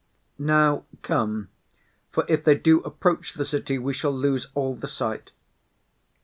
Nay, come; for if they do approach the city, we shall lose all the sight.